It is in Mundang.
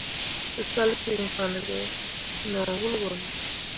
Tǝsalsyiŋfanne be no wul ɓo ne.